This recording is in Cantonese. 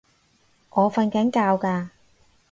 我訓緊覺㗎